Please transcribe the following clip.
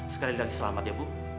sekali lagi selamat ya bu